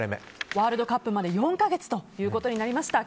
ワールドカップまで４か月ということになりました。